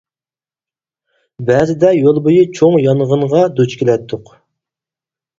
بەزىدە يول بويى چوڭ يانغىنغا دۇچ كېلەتتۇق.